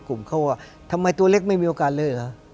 กลุ่มเขาว่าทำไมตัวเล็กไม่มีโอกาสเลยเหรอ